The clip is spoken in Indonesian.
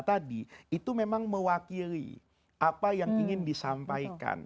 tadi itu memang mewakili apa yang ingin disampaikan